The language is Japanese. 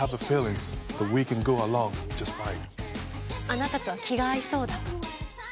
「あなたとは気が合いそうだ」と。